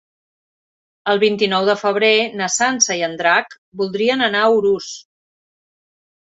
El vint-i-nou de febrer na Sança i en Drac voldrien anar a Urús.